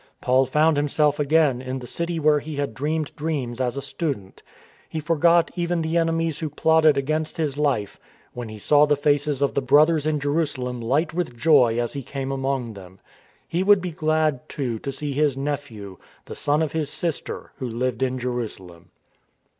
Paul found himself again in the city where he had dreamed dreams as a student. He forgot even the enemies who plotted 287 288 STORM AND STRESS against his life, when he saw the faces of the Brothers in Jerusalem light with joy as he came among them. He would be glad, too, to see his nephew, the son of his sister, who lived in Jerusalem.